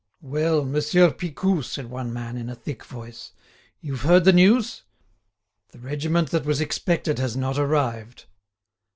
"Well! Monsieur Picou," said one man in a thick voice, "you've heard the news? The regiment that was expected has not arrived."